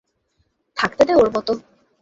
থাকতে দে ওর মতো।